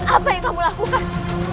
apa yang kamu lakukan